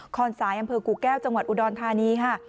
คอนสายอำเภอกู่แก้วจังหวัดอุดรธานีค่ะ